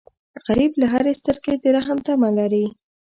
غریب له هرې سترګې د رحم تمه لري